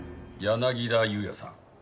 柳田裕也さん。